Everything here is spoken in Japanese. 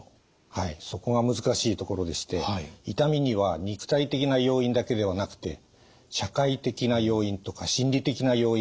はいそこが難しいところでして痛みには肉体的な要因だけではなくて社会的な要因とか心理的な要因が影響します。